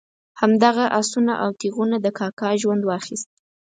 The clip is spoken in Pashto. همدغه آسونه او تیغونه د کاکا ژوند واخیست.